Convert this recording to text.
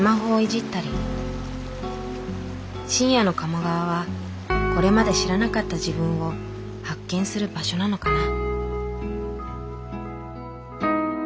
深夜の鴨川はこれまで知らなかった自分を発見する場所なのかな。